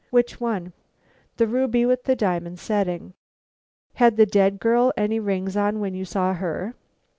"Which one?" "The ruby with the diamond setting." "Had the dead girl any rings on when you saw her?"